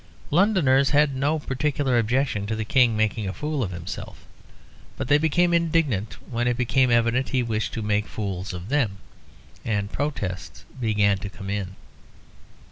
Londoners had no particular objection to the King making a fool of himself, but they became indignant when it became evident that he wished to make fools of them; and protests began to come in.